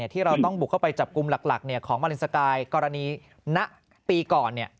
ที่เราต้องบุกเข้าไปจับกลุ่มหลักของมารินสกายกรณีณปีก่อน